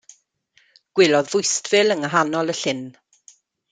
Gwelodd fwystfil yn nghanol y llyn.